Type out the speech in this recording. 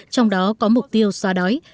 trong đó có mục tiêu xoa đói